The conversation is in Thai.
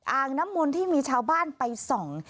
อ่างน้ำมนต์ที่มีชาวบ้านไปส่อง